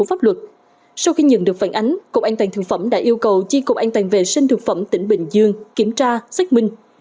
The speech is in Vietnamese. về sinh thực phẩm tỉnh bình dương kiểm tra xét minh